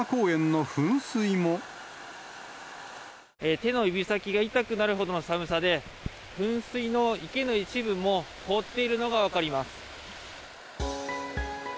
手の指先が痛くなるほどの寒さで、噴水の池の一部も凍っているのが分かります。